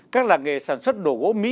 các làng nghề sản xuất đổ gỗ mỹ